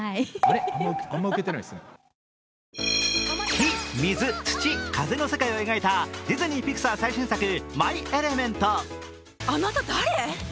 火・水・土・風の世界を描いたディズニー・ピクサー最新作「マイ・エレメント」。